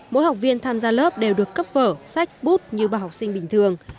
mỗi học viên tham gia lớp đều được cấp phở sách bút như bà học sinh bình thường